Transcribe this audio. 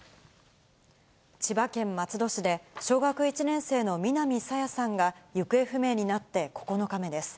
千葉県松戸市で、小学１年生の南朝芽さんが行方不明になって９日目です。